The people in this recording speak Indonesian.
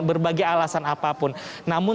berbagai alasan apapun namun